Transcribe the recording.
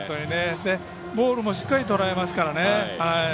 ボールもしっかりとらえますから。